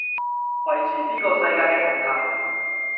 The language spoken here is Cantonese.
維持呢個世界既平衡